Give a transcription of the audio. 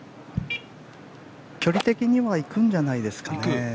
距離的には行くんじゃないですかね。